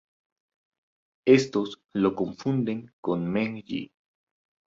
Éstos lo confunden con Meng Yi.